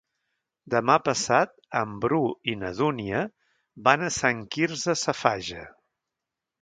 Demà passat en Bru i na Dúnia van a Sant Quirze Safaja.